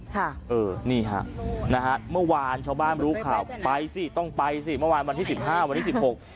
ค่ะเออนี่ฮะนะฮะเมื่อวานชาวบ้านรู้ข่าวไปสิต้องไปสิเมื่อวานวันที่สิบห้าวันที่สิบหก